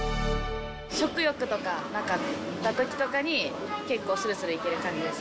食欲とかなかったときとかに、結構するするいける感じです。